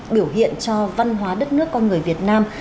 biểu hiện cho văn hóa đất nước con người việt nam